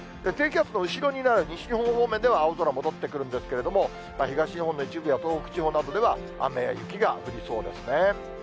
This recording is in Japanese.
低気圧の後ろになる西日本方面では青空戻ってくるんですけれども、東日本の一部や東北地方などでは、雨や雪が降りそうですね。